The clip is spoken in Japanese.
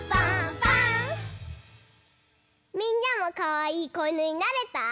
みんなもかわいいこいぬになれた？